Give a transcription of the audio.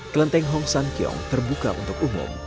kelenteng hong san kiong terbuka untuk umum